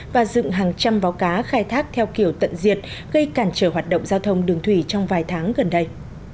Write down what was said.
và dựng hàng trăm vó cá khai thác theo kiểu tận diệt gây cản trở hoạt động giao thông đường thủy trong vài tháng gần đây